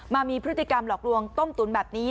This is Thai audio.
มามีพฤติกรรมหลอกลวงต้มตุ๋นแบบนี้